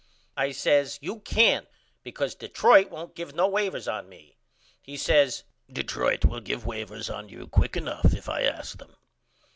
I says You can't because Detroit won't give no wavers on me. He says Detroit will give wavers on you quick enough if I ask them.